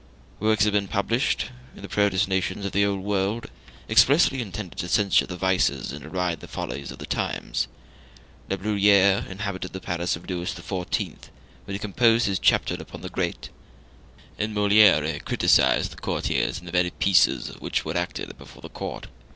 Works have been published in the proudest nations of the Old World expressly intended to censure the vices and deride the follies of the times; Labruyere inhabited the palace of Louis XIV when he composed his chapter upon the Great, and Moliere criticised the courtiers in the very pieces which were acted before the Court.